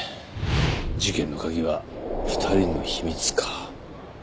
事件の鍵は２人の秘密か。